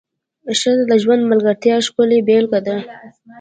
ښځه د ژوند د ملګرتیا ښکلې بېلګه ده.